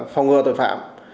phong ngừa tội phạm